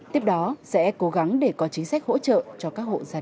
tiếp đó sẽ cố gắng để có chính sách hỗ trợ cho các hộ gia đình